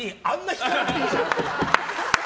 引かなくていいでしょ。